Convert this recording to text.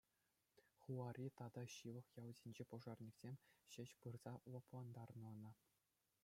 Хулари тата ҫывӑх ялсенчи пожарниксем ҫеҫ пырса лӑплантарнӑ ӑна.